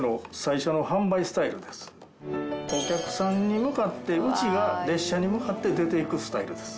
お客さんに向かってうちが列車に向かって出て行くスタイルです。